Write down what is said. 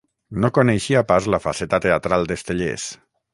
No coneixia pas la faceta teatral d'Estellés.